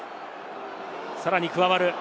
さらに加わる。